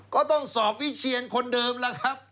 ก็ต้องสอบวิเชียนคนเดิมแล้วครับ